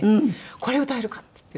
「これ歌えるか？」っつって。